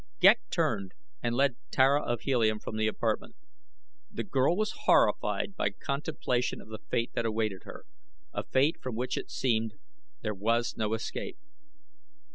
Ghek turned and led Tara of Helium from the apartment. The girl was horrified by contemplation of the fate that awaited her a fate from which it seemed, there was no escape.